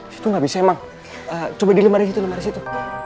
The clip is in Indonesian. situ ga bisa emang coba di lemari situ